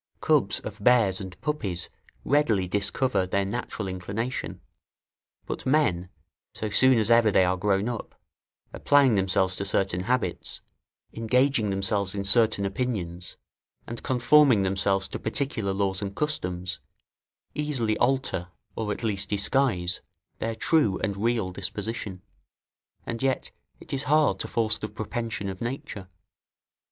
Cubs of bears and puppies readily discover their natural inclination; but men, so soon as ever they are grownup, applying themselves to certain habits, engaging themselves in certain opinions, and conforming themselves to particular laws and customs, easily alter, or at least disguise, their true and real disposition; and yet it is hard to force the propension of nature.